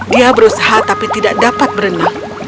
dia berusaha tapi tidak dapat berenang